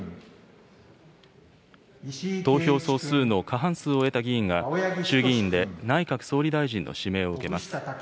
投票総数の過半数を得た議員が、衆議院で内閣総理大臣の指名を受けます。